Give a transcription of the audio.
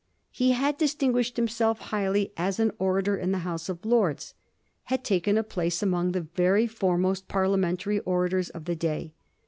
He had distinguished himself highly as an orator in the House of Lords; had taken a place among the very foremost parliamentary orators of the day.